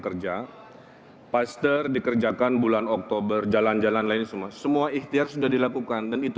kerja paster dikerjakan bulan oktober jalan jalan lain semua semua ikhtiar sudah dilakukan dan itu